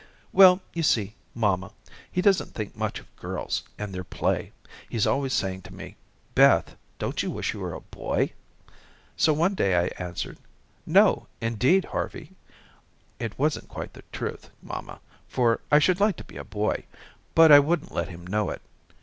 "Well, you see, mamma, he doesn't think much of girls and their play. He's always saying to me, 'Beth, don't you wish you were a boy?' So one day I answered, 'No, indeed, Harvey.' It wasn't quite the truth, mamma, for I should like to be a boy, but I wouldn't let him know it.